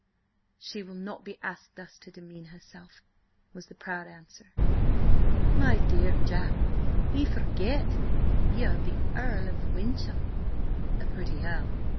"She will not be asked thus to demean herself," was the proud answer. "My dear Jack, ye forget ye are the Earl of Wyncham." "A pretty earl!